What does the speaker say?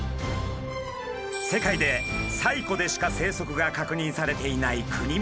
世界で西湖でしか生息が確認されていないクニマス。